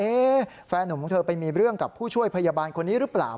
แฟนหนุ่มของเธอไปมีเรื่องกับผู้ช่วยพยาบาลคนนี้หรือเปล่า